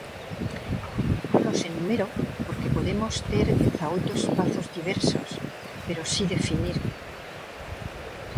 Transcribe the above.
Non os enumero porque podemos ter dezaoito espazos diversos, pero si definir.